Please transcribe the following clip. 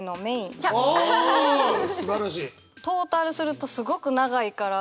トータルするとすごく長いから。